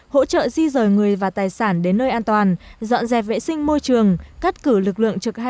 hỗ trợ di rời người và tài sản đến nơi an toàn dọn dẹp vệ sinh môi trường cắt cử lực lượng trực hai